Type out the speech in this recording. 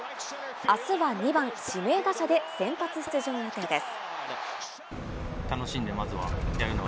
あすは２番・指名打者で先発出場予定です。